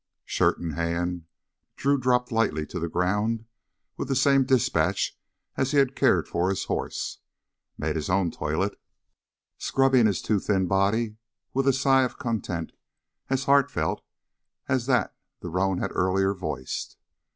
Shirt in hand, Drew dropped lightly to the ground and with the same dispatch as he had cared for his horse, made his own toilet, scrubbing his too thin body with a sigh of content as heartfelt as that the roan had earlier voiced.